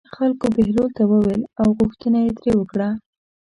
خلکو بهلول ته وویل او غوښتنه یې ترې وکړه.